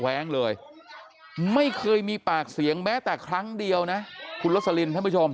แว้งเลยไม่เคยมีปากเสียงแม้แต่ครั้งเดียวนะคุณลสลินท่านผู้ชม